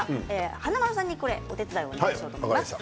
華丸さんにお手伝いをお願いしようと思います。